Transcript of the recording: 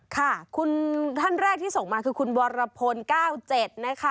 ค่ะคุณท่านแรกที่ส่งมาคือคุณวรพล๙๗นะคะ